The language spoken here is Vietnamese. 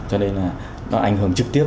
cho nên là nó ảnh hưởng trực tiếp